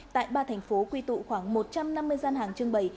tại ba thành phố quy tụ khoảng một trăm năm mươi gian hàng trưng bày